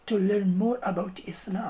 banyak dari mereka alhamdulillah